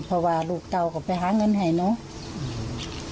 เพราว่าลูกออกไปหาเงินให้เนอะ